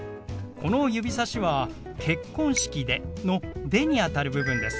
この指さしは「結婚式で」の「で」にあたる部分です。